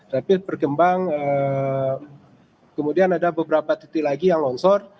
rapid berkembang kemudian ada beberapa titik lagi yang longsor